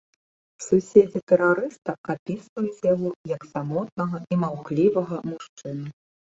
Суседзі тэрарыста апісваюць яго як самотнага і маўклівага мужчыну.